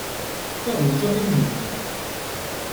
Farrugia kien ġuvni.